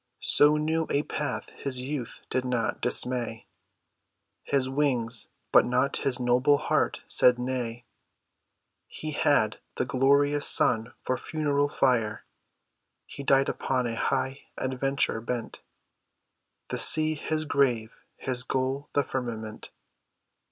So new a path his youth did not dismay, His wings but not his noble heart said nay; He had the glorious sun for funeral fire; He died upon a high adventure bent; The sea his grave, his goal the firmament.